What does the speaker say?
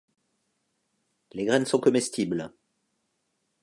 Les graines sont comestibles.